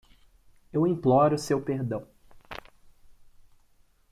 Eu imploro seu perdão.